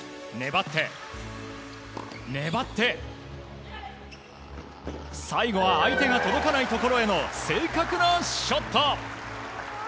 粘って、粘って最後は相手が届かないところへの正確なショット！